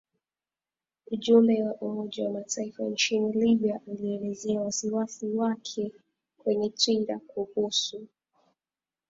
Ujumbe wa Umoja wa Mataifa nchini Libya ulielezea wasiwasi wake kwenye twitter kuhusu